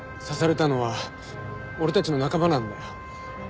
刺されたのは俺たちの仲間なんだよ。